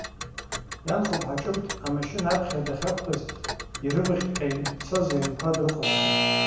Ианхәыԥҳа ҿымҭ, амашьына аԥхьа дахьақәтәаз, ирывыҟьҟьа ицоз аҩнқәа дрыхәаԥшуан.